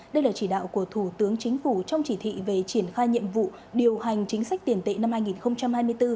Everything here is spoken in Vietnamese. đây là chỉ đạo của thủ tướng chính phủ trong chỉ thị về triển khai nhiệm vụ điều hành chính sách tiền tệ năm hai nghìn hai mươi bốn